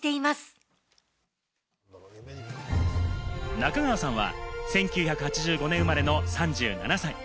中川さんは１９８５年生まれの３７歳。